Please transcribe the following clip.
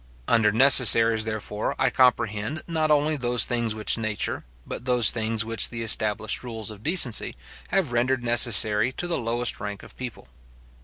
Under necessaries, therefore, I comprehend, not only those things which nature, but those things which the established rules of decency have rendered necessary to the lowest rank of people.